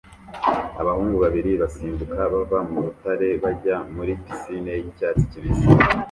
Abahungu babiri basimbuka bava mu rutare bajya muri pisine y'icyatsi kibisi